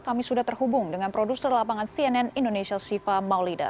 kami sudah terhubung dengan produser lapangan cnn indonesia siva maulida